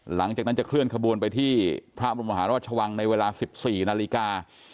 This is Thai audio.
หลังจากนั้นจะเคลื่อนขบวนไปที่พระบรมหาราชวังในเวลา๑๔นาฬิกา